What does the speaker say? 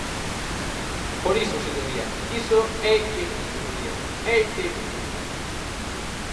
Por iso, señoría, iso é indigno, señoría, é indigno.